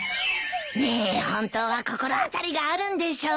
ねえ本当は心当たりがあるんでしょ？